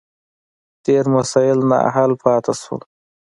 ډېر مسایل نا حل پاتې شول.